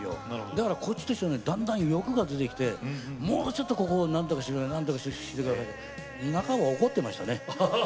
だからこっちとしてはねだんだん欲が出てきてもうちょっとここを何とかしろよ何とかしてたら半ば怒ってましたね。